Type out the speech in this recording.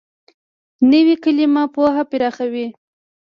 نوې کلیمه پوهه پراخوي